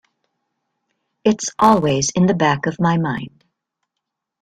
It's always in the back of my mind.